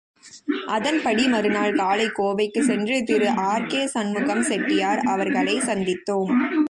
அதன்படி மறு நாள் காலை கோவைக்கு சென்று திரு ஆர்.கே.சண்முகம் செட்டியார் அவர்களைச் சந்தித்தோம்.